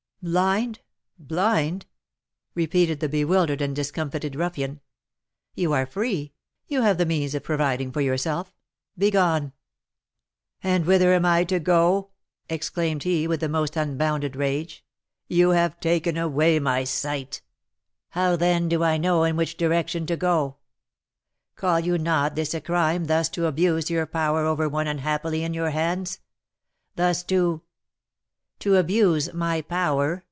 "Blind! blind!" repeated the bewildered and discomfited ruffian. "You are free; you have the means of providing for yourself; begone!" "And whither am I to go?" exclaimed he, with the most unbounded rage. "You have taken away my sight; how, then, do I know in which direction to go? Call you not this a crime thus to abuse your power over one unhappily in your hands? Thus to " "To abuse my power!"